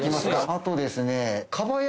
あとですね。